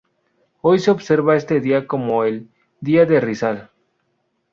Hoy se observa este día como el "Día de Rizal".